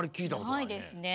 ないですね。